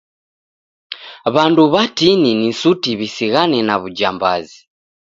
W'andu w'atini ni suti w'isighane na w'ujambazi.